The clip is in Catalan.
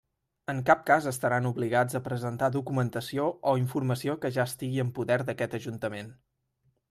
En cap cas estaran obligats a presentar documentació o informació que ja estigui en poder d'aquest Ajuntament.